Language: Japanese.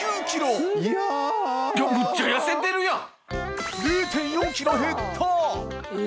淵船礇鵝むっちゃ痩せてるやん！